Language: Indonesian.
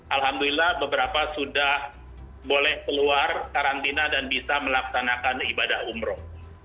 alhamdulillah beberapa sudah boleh keluar karantina dan bisa melaksanakan ibadah umroh